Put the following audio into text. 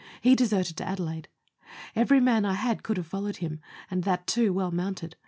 He deserted to Adelaide. Every man I had could have followed him, and that, too, well mounted.